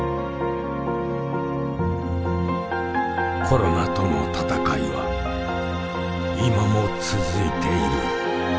コロナとの闘いは今も続いている。